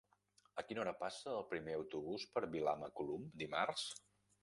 A quina hora passa el primer autobús per Vilamacolum dimarts?